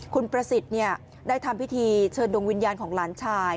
คุณประสิทธิ์ได้ทำพิธีเชิญดวงวิญญาณของหลานชาย